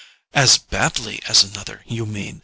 "As badly as another, you mean.